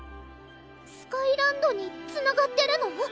スカイランドにつながってるの？